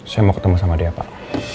saya mau ketemu sama dia pak